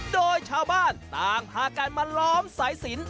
โดยชาวบ้านต่างพากันมาล้อมสายสิน